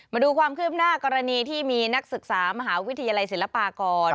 มาดูความคืบหน้ากรณีที่มีนักศึกษามหาวิทยาลัยศิลปากร